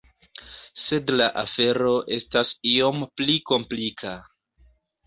Sed la afero estas iom pli komplika.